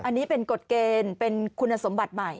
อันนี้เป็นกฎเกณฑ์เป็นคุณสมบัติใหม่